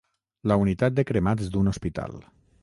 La unitat de cremats d'un hospital.